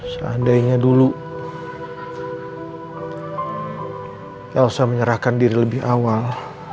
seandainya dulu elsa menyerahkan diri lebih awal